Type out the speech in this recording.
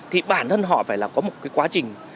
thì bản thân họ phải là có một cái quá trình